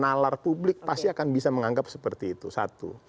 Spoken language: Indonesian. nalar publik pasti akan bisa menganggap seperti itu satu